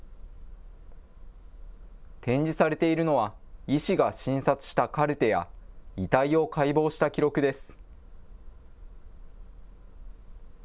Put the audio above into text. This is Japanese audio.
展示されているのは、医師が診察したカルテや、遺体を解剖した記録です。